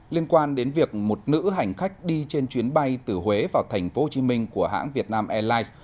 liên quan đến việc một nữ hành khách đi trên chuyến bay từ huế vào tp hcm của hãng việt nam airlines